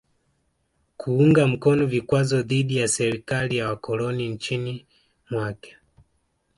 Kuunga mkono vikwazo dhidi ya serikali ya wakoloni nchini mwake